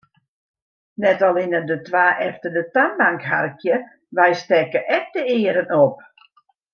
Net allinne de twa efter de toanbank harkje, wy stekke ek de earen op.